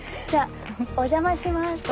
じゃあお邪魔します。